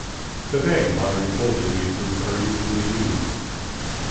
Today modern cold adhesives are usually used.